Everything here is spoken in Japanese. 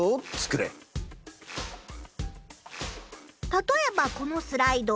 たとえばこのスライド。